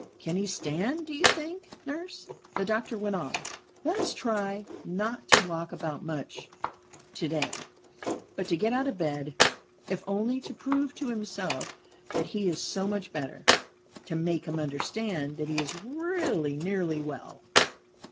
"Can he stand, do you think, nurse?" the doctor went on. "Let us try not to walk about much to day, but to get out of bed, if only to prove to himself that he is so much better; to make him understand that he is really nearly well.